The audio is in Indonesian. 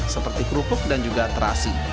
seperti kerupuk dan juga terasi